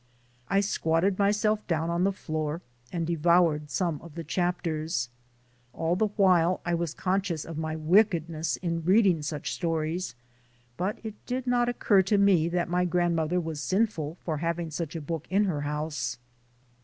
I squatted myself down on the floor and devoured some of the chapters. All the while I was conscious of my wickedness in reading such stories, but it did not occur to me that my grandmother was sinful for having such a book in her house.